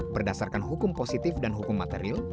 berdasarkan hukum positif dan hukum materil